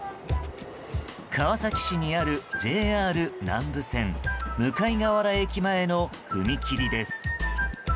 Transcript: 川崎市にあるＪＲ南武線向河原駅前の踏切です。